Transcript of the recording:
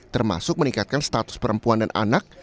termasuk meningkatkan status perempuan dan anak